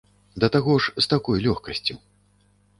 Да таго ж з такой лёгкасцю.